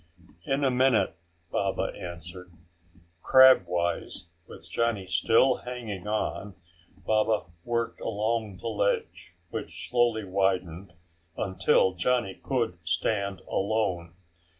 "In a minute," Baba answered. Crabwise, with Johnny still hanging on, Baba worked along the ledge, which slowly widened until Johnny could stand alone.